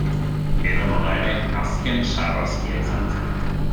Edonola ere, azken sarraskia izan zen.